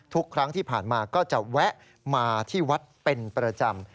ทุกครั้งที่ผ่านมาก็จะแวะมาที่วัดเป็นประจำ